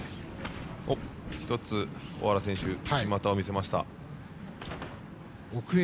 １つ尾原選手、内股を見せました。